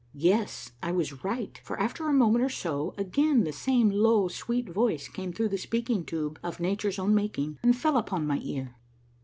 Yes, I was right, for after a moment or so again the same low, sweet voice came through the speaking tube of nature's own making and fell upon my eager ear.